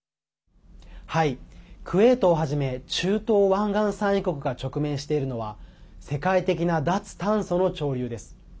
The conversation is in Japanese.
クウェートをはじめ中東湾岸産油国が直面しているのは世界的な脱炭素の潮流です。